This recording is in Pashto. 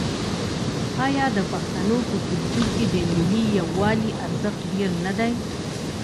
آیا د پښتنو په کلتور کې د ملي یووالي ارزښت ډیر نه دی؟